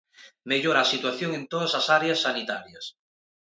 Mellora a situación en todas as áreas sanitarias.